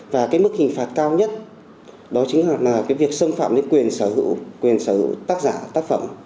và cái mức hình phạt cao nhất đó chính là việc xâm phạm đến quyền sở hữu tác giả tác phẩm